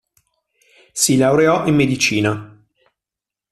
Si laureò in Medicina.